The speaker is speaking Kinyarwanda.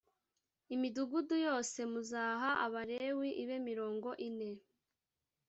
Imidugudu yose muzaha Abalewi ibe mirongo ine